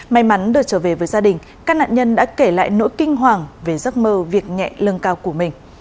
may mắn được trở về với gia đình các nạn nhân đã kể lại nỗi kinh hoàng về giấc mơ việc nhẹ lương cao của mình